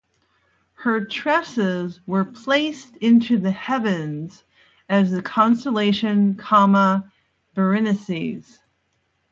Her tresses were placed into the heavens as the Constellation Coma Berenices.